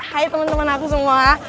hai temen temen aku semua